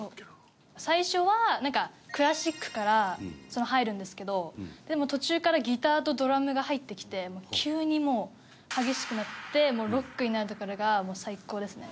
最初はなんかクラシックから入るんですけどでも途中からギターとドラムが入ってきて急にもう激しくなってロックになるところがもう最高ですね。